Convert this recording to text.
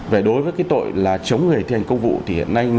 về đối với cái tội là chống người thi hành công vụ thì hiện nay